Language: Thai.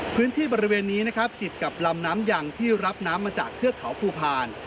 พื้นที่บริเวณนี้นะครับติดกับลำน้ำยังที่รับน้ำมาจากเทือกเขาภูพาล